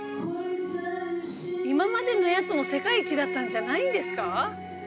今までのやつも世界一だったんじゃないんですか？